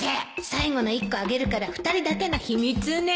最後の一個あげるから２人だけの秘密ね